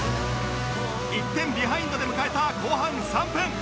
１点ビハインドで迎えた後半３分